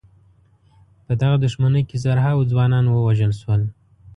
په دغه دښمنۍ کې زرهاوو ځوانان ووژل شول.